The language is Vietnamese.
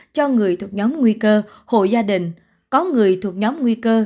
cho người thuộc nhóm nguy cơ hội gia đình có người thuộc nhóm nguy cơ